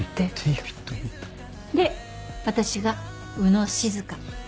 で私が宇野静香。